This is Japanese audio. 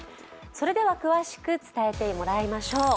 詳しく伝えてもらいましょう。